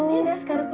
ini ada azkara tutup